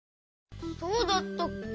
そうだったっけ？